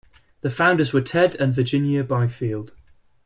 The founders were Ted and Virginia Byfield.